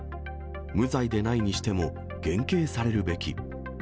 無罪でないにしても減軽されるべき。